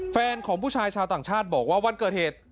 แฟนของผู้ชายชาวต่างชาติบอกว่าวันเกิดเหตุ